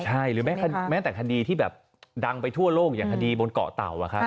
ใช่หรือแม้แต่คดีที่แบบดังไปทั่วโลกอย่างคดีบนเกาะเต่า